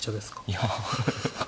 いや。